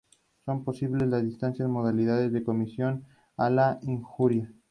Se saldó con la victoria francesa pese a estar en inferioridad.